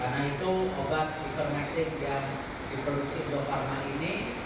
karena itu obat ivermectin yang diproduksi indofarma ini